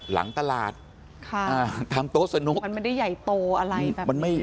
หลังตลาดทำโต๊ะสนุกมันไม่ได้ใหญ่โตอะไรแบบนี้